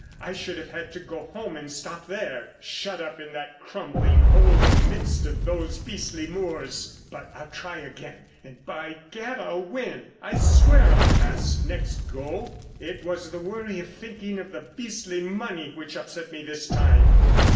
I should have had to go home and stop there, shut up in that crumbling hole in the midst of those beastly moors. But I'll try again and, by gad! I'll win. I swear I'll pass next 'go.' It was the worry of thinking of the beastly money which upset me this time."